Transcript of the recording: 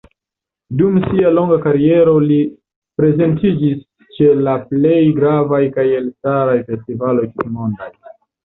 Dum sia longa kariero li prezentiĝis ĉe la plej gravaj kaj elstaraj festivaloj tutmondaj.